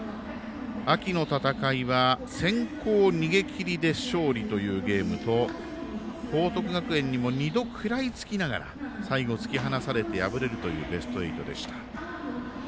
秋の戦いは、先行逃げ切りで勝利というゲームと報徳学園にも２度食らいつきながら最後、突き放されて敗れるというベスト８でした。